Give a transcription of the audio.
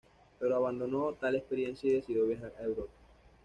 Pero abandonó tal experiencia y decidió viajar a Europa.